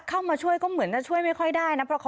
เข้ามาช่วยก็เหมือนจะช่วยไม่ค่อยได้นะ